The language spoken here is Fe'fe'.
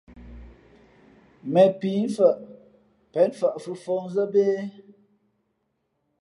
Mēn píi mfαʼ pěn fαʼ fʉ́ fα̌hnzά bě?